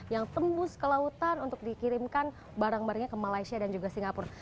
yang tembus ke lautan untuk dikirimkan barang barangnya ke malaysia dan juga singapura